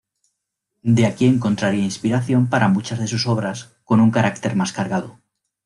De aquí encontraría inspiración para muchas de sus obras con un carácter más cargado.